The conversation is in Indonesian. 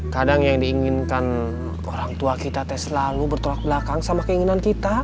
kadang yang diinginkan orang tua kita selalu bertolak belakang sama keinginan kita